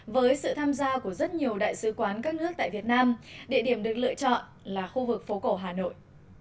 với sự tham gia của rất nhiều đại sứ quán các nước tại việt nam địa điểm được lựa chọn là khu vực phố cổ hà nội